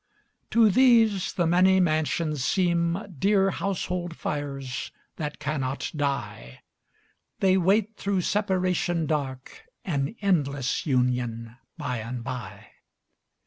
To these the many mansions seem Dear household fires that cannot die; They wait through separation dark An endless union by and by.